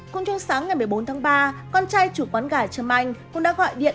cũng trong sáng ngày một mươi bốn tháng ba con trai chủ quán gà trâm anh cũng đã gọi điện